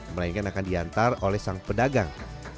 melainkan akan diantar oleh sang pedagang